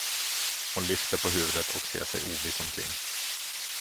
Hon lyfter på huvudet och ser sig oviss omkring.